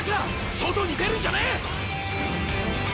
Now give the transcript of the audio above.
外に出るんじゃねえ！